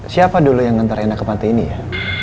siapa dulu yang nantar ena ke pantai ini ya